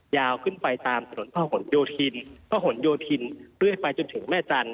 ยาวขึ้นไปตามถนนพระหลโยธินพระหลโยธินเรื่อยไปจนถึงแม่จันท